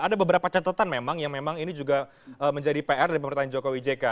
ada beberapa catatan memang yang memang ini juga menjadi pr dari pemerintahan jokowi jk